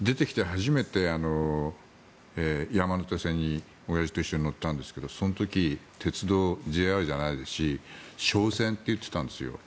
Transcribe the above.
初めて山手線に親父と一緒に乗ったんですけどその時、鉄道ＪＲじゃないですし省線って言ってたんですよ。